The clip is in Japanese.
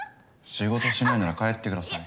仕事しないなら帰ってください。